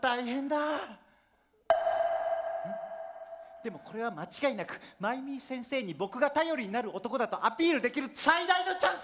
でもこれは間違いなくマイミー先生に僕が頼りになる男だとアピールできる最大のチャンスだ！